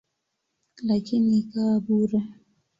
Lakini ikawa bure.